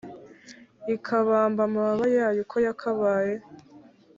ikabamba amababa yayo uko yakabaye.